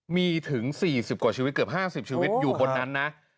มีถึง๔๐กว่าชีวิตเกือบ๕๐ชีวิตอยู่บนนั้นนะ